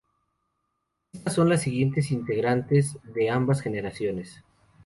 Estas son las siguientes integrantes de ambas generaciones.